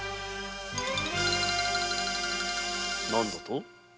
何だと！？